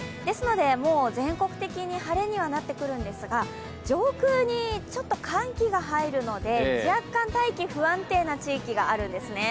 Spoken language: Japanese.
もう全国的に晴れにはなってくるんですが、上空にちょっと寒気が入るので若干、大気、不安定な地域があるんですね。